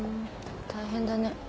大変だね。